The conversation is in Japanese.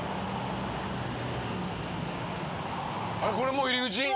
これもう入り口？